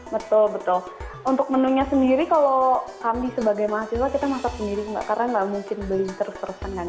betul betul untuk menunya sendiri kalau kami sebagai mahasiswa kita masak sendiri karena nggak mungkin beli terus terusan kan